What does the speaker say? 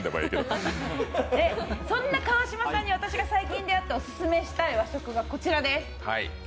そんな川島さんに私が最近出会ったオススメしたい和食がこちらです。